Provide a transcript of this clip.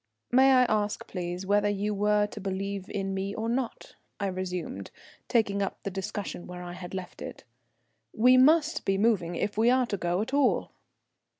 "May I ask, please, whether you were to believe in me or not?" I resumed, taking up the discussion where I had left it. "We must be moving if we are to go at all."